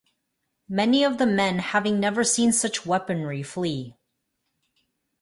Many of the men, having never seen such weaponry, flee.